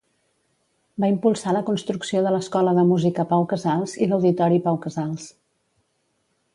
Va impulsar la construcció de l'Escola de Música Pau Casals i l'Auditori Pau Casals.